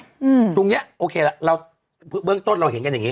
ตรงเนี้ยโอเคละเราเบื้องต้นเราเห็นกันอย่างงี